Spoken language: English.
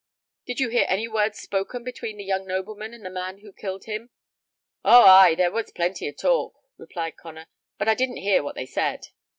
"Did you hear any words spoken between the young nobleman and the man who killed him?" "Oh, ay! there was plenty of talk," replied Connor, "but I didn't hear what they said."